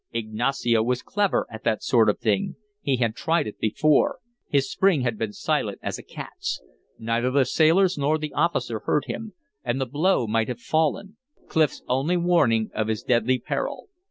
Ignacio was clever at that sort of thing. He had tried it before; his spring had been silent as a cat's. Neither the sailors nor the officer heard him. And the blow might have fallen; Clif's only warning of his deadly peril.